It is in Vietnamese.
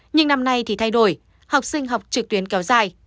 nhưng năm nay thì thay đổi học sinh học trực tuyến kéo dài